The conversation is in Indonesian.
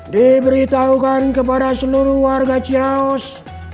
diberitahukan kepada seluruh warga cihaos